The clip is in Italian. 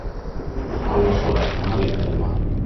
Ha una sorella, María del Mar.